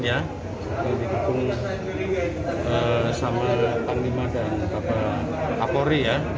yang dihubungi sama pak limah dan bapak polri